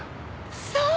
そう！